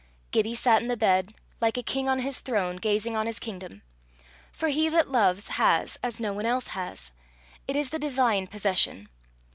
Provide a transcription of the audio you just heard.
Gibbie sat in the bed like a king on his throne, gazing on his kingdom. For he that loves has, as no one else has. It is the divine possession.